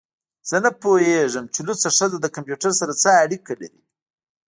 زه نه پوهیږم چې لوڅه ښځه له کمپیوټر سره څه اړیکه لري